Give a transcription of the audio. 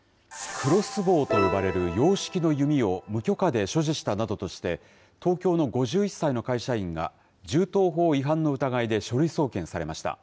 クロスボウと呼ばれる洋式の弓を無許可で所持したなどとして、東京の５１歳の会社員が銃刀法違反の疑いで書類送検されました。